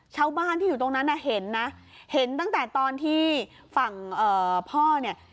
ชาวบ้านที่อยู่ตรงนั้นน่ะเห็นนะเห็นตั้งแต่ตอนที่ฝั่งพ่อเนี่ย